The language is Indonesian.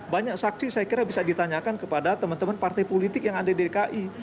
banyak saksi saya kira bisa ditanyakan kepada teman teman partai politik yang ada di dki